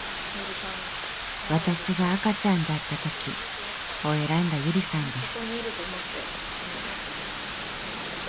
「わたしがあかちゃんだったとき」を選んだゆりさんです。